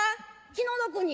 気の毒に。